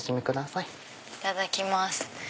いただきます。